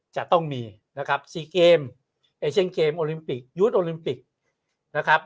จะต้องมีนะครับ๔เกมเอเชียนเกมโอลิมปิกยูทโอลิมปิกนะครับ